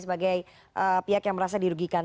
pak luhut bin sar panjaitan